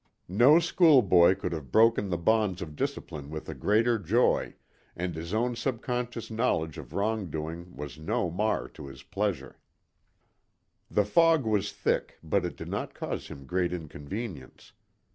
No schoolboy could have broken the bonds of discipline with a greater joy, and his own subconscious knowledge of wrong doing was no mar to his pleasure. The fog was thick, but it did not cause him great inconvenience.